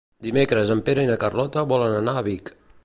Dimecres en Pere i na Carlota volen anar a Vic.